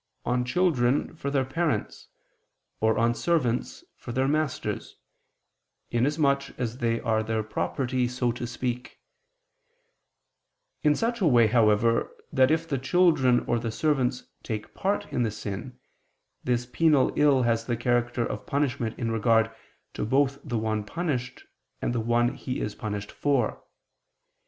on children for their parents, or on servants for their masters, inasmuch as they are their property so to speak; in such a way, however, that, if the children or the servants take part in the sin, this penal ill has the character of punishment in regard to both the one punished and the one he is punished for.